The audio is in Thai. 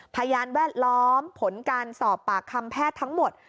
พยานแวดล้อมผลการสอบปากคำแพทย์ทั้งหมด